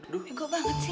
duh ego banget sih